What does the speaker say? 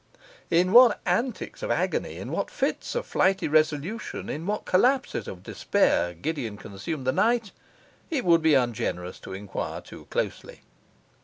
In what antics of agony, in what fits of flighty resolution, in what collapses of despair, Gideon consumed the night, it would be ungenerous to enquire too closely.